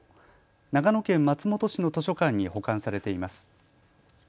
長野県松本市の図書館に保管されています。